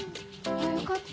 よかった。